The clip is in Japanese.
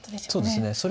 そうですね。